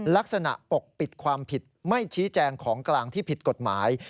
ปกปิดความผิดไม่ชี้แจงของกลางที่ผิดกฎหมาย